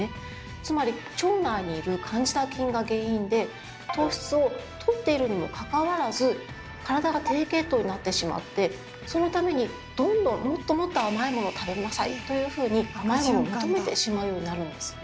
つまり腸内にいるカンジダ菌が原因で糖質をとっているにもかかわらず体が低血糖になってしまってそのためにどんどんもっともっと甘いものを食べなさいというふうに甘いものを求めてしまうようになるんです。